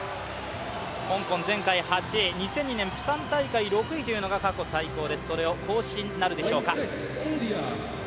香港、前回８位、２００２年、プサン大会６位というのが過去最高です、それを更新なるでしょうか。